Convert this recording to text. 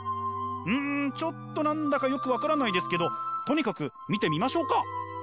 うんちょっと何だかよく分からないですけどとにかく見てみましょうか。